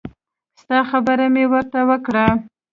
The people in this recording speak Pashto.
ستا خبره مې ورته وکړه.